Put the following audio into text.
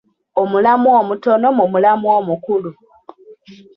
Omulamwa omutono mu mulamwa omukulu